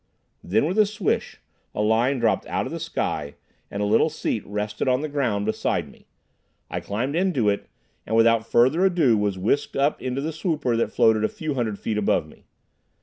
Then with a swish, a line dropped out of the sky, and a little seat rested on the ground beside me. I climbed into it, and without further ado was whisked up into the swooper that floated a few hundred feet above me.